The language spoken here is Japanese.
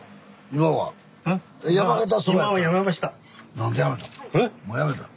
何で辞めたん？